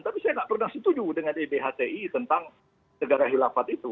tapi saya nggak pernah setuju dengan ibhti tentang negara hilafat itu